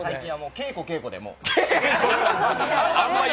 稽古、稽古で、もう。